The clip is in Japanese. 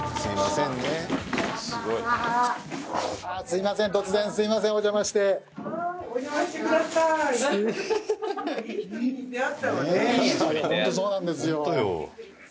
ホントそうなんですよ。